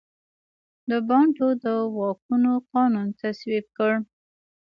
د بانټو د واکونو قانون تصویب کړ.